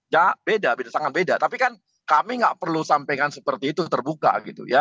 ya beda beda sangat beda tapi kan kami nggak perlu sampaikan seperti itu terbuka gitu ya